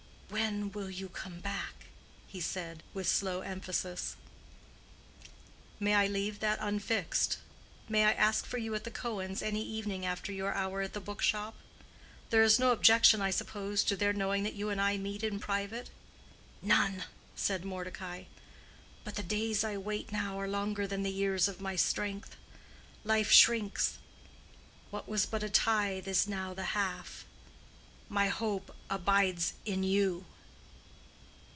"When will you come back?" he said, with slow emphasis. "May I leave that unfixed? May I ask for you at the Cohens' any evening after your hour at the book shop? There is no objection, I suppose, to their knowing that you and I meet in private?" "None," said Mordecai. "But the days I wait now are longer than the years of my strength. Life shrinks: what was but a tithe is now the half. My hope abides in you."